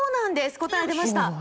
答え、出ました。